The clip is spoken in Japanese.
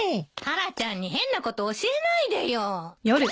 タラちゃんに変なこと教えないでよ。